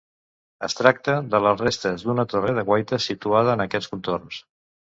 Es tracta de les restes d'una torre de guaita situada en aquests contorns.